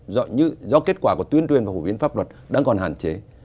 như do kết quả của tuyên truyền và phổ biến pháp luật đang còn hạn chế